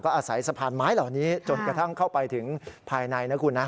อาศัยสะพานไม้เหล่านี้จนกระทั่งเข้าไปถึงภายในนะคุณนะ